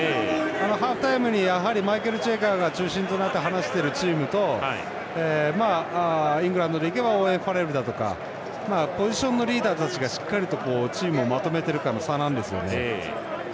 ハーフタイムにやはりマイケル・チェイカが中心となって話しているチームとイングランドでいえばオーウェン・ファレルだとかポジションのリーダーたちがしっかりとチームをまとめてるかの差なんですよね。